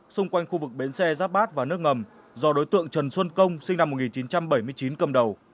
xung quanh khu vực bến xe giáp bát và nước ngầm do đối tượng trần xuân công sinh năm một nghìn chín trăm bảy mươi chín cầm đầu